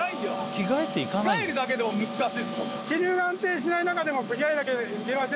着替えるだけでも難しいっすよ。